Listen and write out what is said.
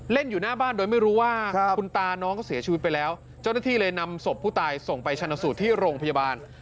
อยู่หน้าบ้านโดยไม่รู้ว่าคุณตาน้องเขาเสียชีวิตไปแล้วเจ้าหน้าที่เลยนำศพผู้ตายส่งไปชนะสูตรที่โรงพยาบาล